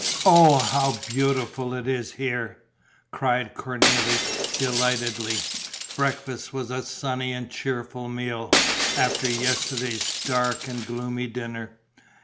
"Oh, how beautiful it is here!" cried Cornélie, delightedly. Breakfast was a sunny and cheerful meal, after yesterday's dark and gloomy dinner.